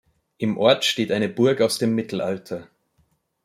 Im Ort steht eine Burg aus dem Mittelalter.